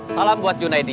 salam buat junaidy